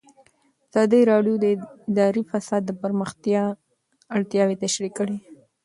ازادي راډیو د اداري فساد د پراختیا اړتیاوې تشریح کړي.